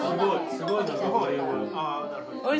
すごい！